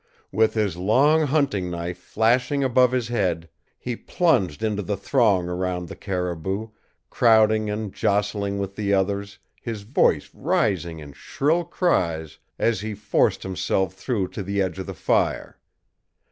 With his long hunting knife flashing above his head, he plunged into the throng around the caribou, crowding and jostling with the others, his voice rising in shrill cries as he forced himself through to the edge of the fire.